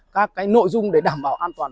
các nội dung để đảm bảo an toàn